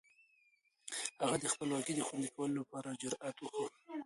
هغه د خپلواکۍ د خوندي کولو لپاره جرئت وښود.